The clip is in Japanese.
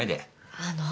あの。